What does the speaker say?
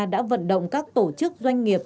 đã vận động các tổ chức doanh nghiệp